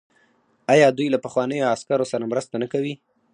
آیا دوی له پخوانیو عسکرو سره مرسته نه کوي؟